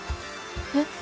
えっ？